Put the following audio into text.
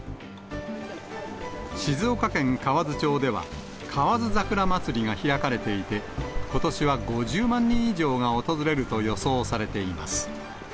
静岡県河津町では、河津桜まつりが開かれていて、ことしは５０万人以上が訪れると予想されています。